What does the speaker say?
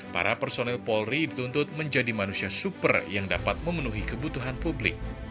para personil polri dituntut menjadi manusia super yang dapat memenuhi kebutuhan publik